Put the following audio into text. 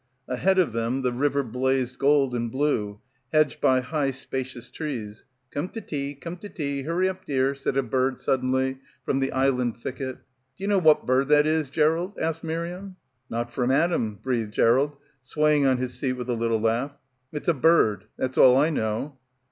Ahead of them the river blazed gold and blue, hedged by high spacious trees. "Come to tea, come \.o \£% hurry up dear," said a bird suddenly from the island thicket. "D'you know what bird that is, Gerald?" asked Miriam. "Not from Adam," breathed Gerald, swaying on his seat with a little laugh. "It's a bird. That's all I know."